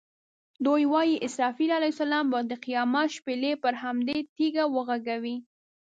دوی وایي اسرافیل علیه السلام به د قیامت شپېلۍ پر همدې تیږه وغږوي.